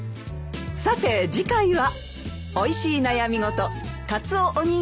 さて次回は。